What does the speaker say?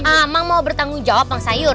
emang mau bertanggung jawab bang sayur